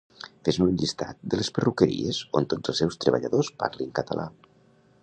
Fes-me un llistat de les perruqueries on tots els seus treballadors parlin català